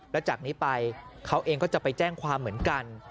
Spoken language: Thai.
แล้วจากนี้ไปเขาเองก็จะไปแจ้งความเหมือนกัน